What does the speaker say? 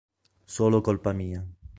Solo colpa mia.